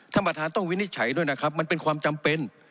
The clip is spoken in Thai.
ท่านประธานต้องวินิจฉัยด้วยนะครับมันเป็นความจำเป็น